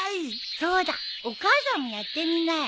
そうだお母さんもやってみなよ。